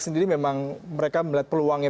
sendiri memang mereka melihat peluangnya